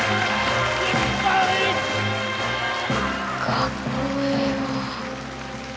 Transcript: かっこええわ。